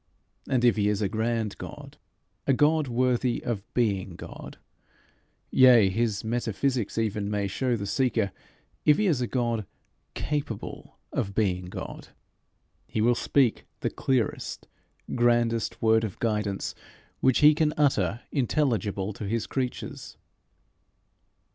And if he is a grand God, a God worthy of being God, yea (his metaphysics even may show the seeker), if he is a God capable of being God, he will speak the clearest grandest word of guidance which he can utter intelligible to his creatures.